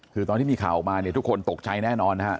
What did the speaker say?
คือตอนที่มีข่าวออกมาทุกคนตกใจแน่นอน